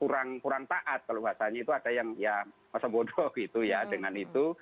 kurang kurang taat kalau bahasanya itu ada yang ya masa bodoh gitu ya dengan itu